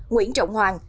nguyễn trọng hoàng